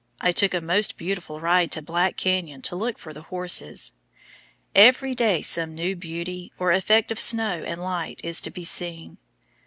I took a most beautiful ride to Black Canyon to look for the horses. Every day some new beauty, or effect of snow and light, is to be seen.